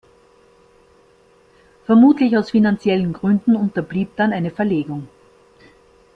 Vermutlich aus finanziellen Gründen unterblieb dann eine Verlegung.